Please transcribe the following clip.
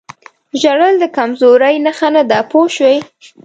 ژړل د کمزورۍ نښه نه ده پوه شوې!.